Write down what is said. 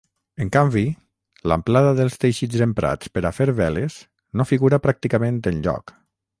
En canvi, l'amplada dels teixits emprats per a fer veles no figura pràcticament enlloc.